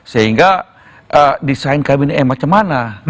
sehingga desain kabinetnya macam mana